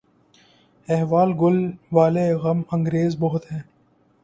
احوال گل و لالہ غم انگیز بہت ہے